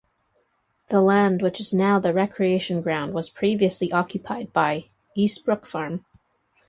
The land which is now the recreation ground was previously occupied by Eastbrook Farm.